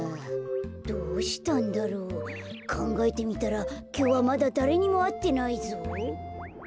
どうしたんだろう？かんがえてみたらきょうはまだだれにもあってないぞ。